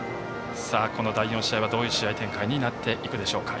この第４試合はどういう試合展開になっていくでしょうか。